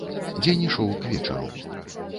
Дзень ішоў к вечару.